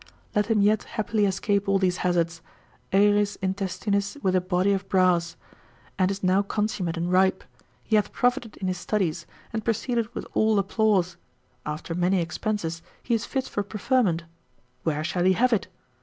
Let him yet happily escape all these hazards, aereis intestinis with a body of brass, and is now consummate and ripe, he hath profited in his studies, and proceeded with all applause: after many expenses, he is fit for preferment, where shall he have it?